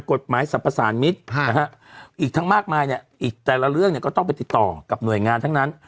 สรรพสารมิตรอีกทั้งมากมายเนี่ยอีกแต่ละเรื่องเนี่ยก็ต้องไปติดต่อกับหน่วยงานทั้งนั้น